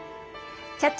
「キャッチ！